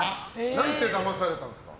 何てだまされたんですか？